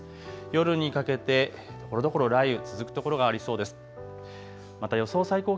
夜にかけて、ところどころ雷雨、続く所がありそうです。